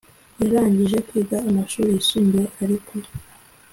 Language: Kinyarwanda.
Yarangije kwiga amashuri yisumbuye ariko